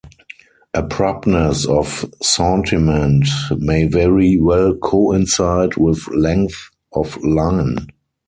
Abruptness of sentiment, may very well coincide with length of line.